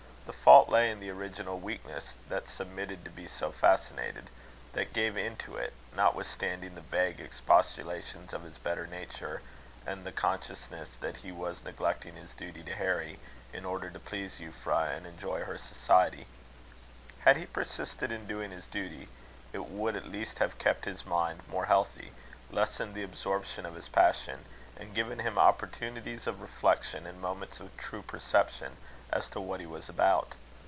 The fault lay in the original weakness that submitted to be so fascinated; that gave in to it, notwithstanding the vague expostulations of his better nature, and the consciousness that he was neglecting his duty to Harry, in order to please Euphra and enjoy her society. Had he persisted in doing his duty, it would at least have kept his mind more healthy, lessened the absorption of his passion, and given him opportunities of reflection, and moments of true perception as to what he was about.